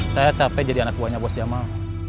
saya capek jadi anak buahnya bos jamaah